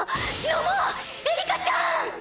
飲もうエリカちゃん！！